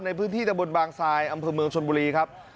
ในพื้นที่ตะบนบางทรายอำเภอเมืองชนบุรีครับ